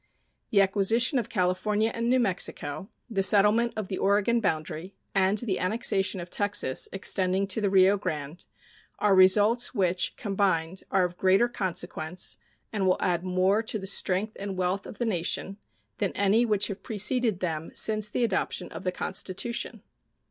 The acquisition of California and New Mexico, the settlement of the Oregon boundary, and the annexation of Texas, extending to the Rio Grande, are results which, combined, are of greater consequence and will add more to the strength and wealth of the nation than any which have preceded them since the adoption of the Constitution.